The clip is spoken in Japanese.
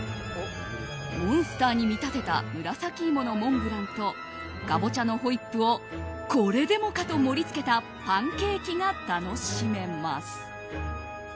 モンスターに見立てた紫芋のモンブランとカボチャのホイップをこれでもかと盛り付けたパンケーキが楽しめます。